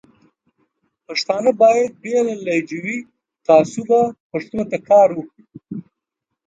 پښتانه باید بې له لهجوي تعصبه پښتو ته کار وکړي.